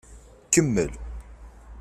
Kemmel.